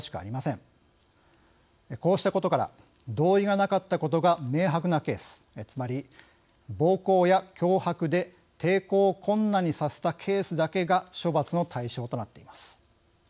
こうしたことから同意がなかったことが明白なケースつまり暴行や脅迫で抵抗を困難にさせたケースだけが処罰の対象となっています。